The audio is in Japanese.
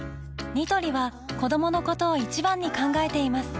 ニトリは子どものことを一番に考えています